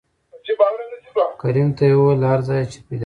کريم ته يې وويل له هر ځايه چې پېدا کوې.